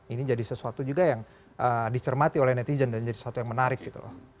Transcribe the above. ini jadi sesuatu juga yang dicermati oleh netizen dan jadi sesuatu yang menarik gitu loh